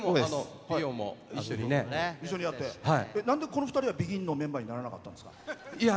なんでこの２人はＢＥＧＩＮのメンバーにならなかったんですか？